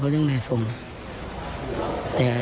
เขาต้องมาถ่ายข่าว